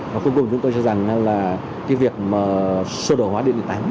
và cuối cùng chúng tôi cho rằng là cái việc mà sô đồ hóa điện điện tán